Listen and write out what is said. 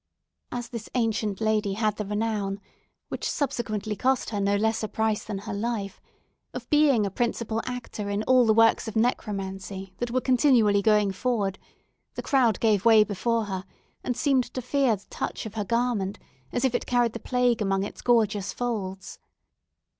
As this ancient lady had the renown (which subsequently cost her no less a price than her life) of being a principal actor in all the works of necromancy that were continually going forward, the crowd gave way before her, and seemed to fear the touch of her garment, as if it carried the plague among its gorgeous folds.